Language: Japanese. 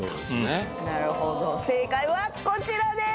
正解はこちらです！